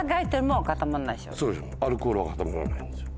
そうでしょアルコールは固まらないんですよ。